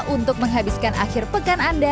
untuk menghabiskan akhir pekan anda